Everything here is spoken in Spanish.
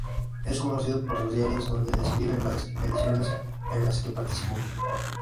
Es conocido por sus diarios, donde describe las expediciones en las que participó.